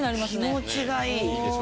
気持ちがいい